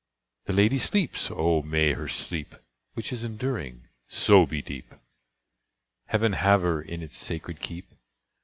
The lady sleeps! Oh, may her sleep, Which is enduring, so be deep! Heaven have her in its sacred keep!